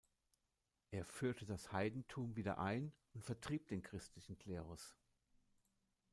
Er führte das Heidentum wieder ein und vertrieb den christlichen Klerus.